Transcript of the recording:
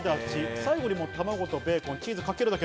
最後に卵とベーコン、チーズをかけるだけ。